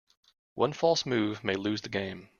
One false move may lose the game.